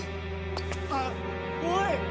あっおい！